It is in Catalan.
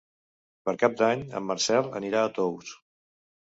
Per Cap d'Any en Marcel anirà a Tous.